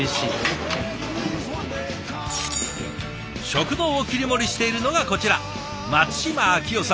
食堂を切り盛りしているのがこちら松島秋代さん